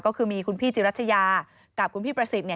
ก็คือมีคุณพี่จิรัชยากับคุณพี่ประสิทธิ์